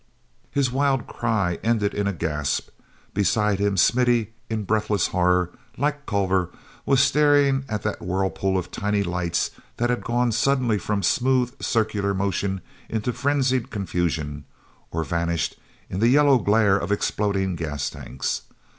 His wild cry ended in a gasp. Beside him Smithy, in breathless horror, like Culver, was staring at that whirlpool of tiny lights that had gone suddenly from smooth circular motion into frenzied confusion, or vanished in the yellow glare of exploding gas tanks.